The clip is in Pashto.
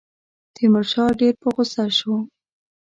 تیمورشاه ډېر په غوسه شو.